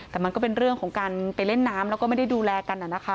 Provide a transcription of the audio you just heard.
แต่มันก็เป็นเรื่องของการไปเล่นน้ำแล้วก็ไม่ได้ดูแลกันนะคะ